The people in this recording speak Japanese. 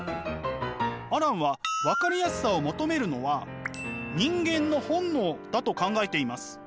アランは分かりやすさを求めるのは人間の本能だと考えています。